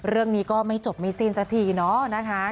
เรื่องนี้ก็ไม่จบไม่สิ้นสักทีเนาะนะคะ